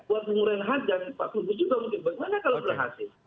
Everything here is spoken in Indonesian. buat bun renkhat dan pak fudu juga mungkin bagaimana kalau berhasil